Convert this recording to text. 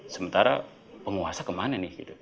sementara penguasa kemana nih